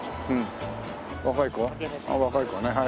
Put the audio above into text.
若い子は？